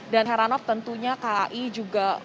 dan heranov tentunya t a i juga